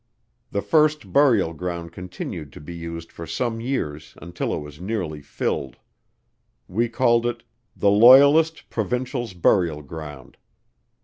The first burial ground continued to be used for some years until it was nearly filled. We called it "The Loyalist Provincials Burial Ground."